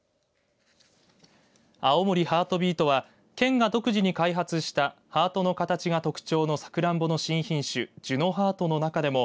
青森ハートビートは県が独自に開発したハートの形が特徴のさくらんぼの新品種ジュノハートの中でも